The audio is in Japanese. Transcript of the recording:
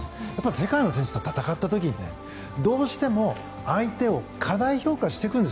世界の選手と戦った時に相手を過大評価していくんです。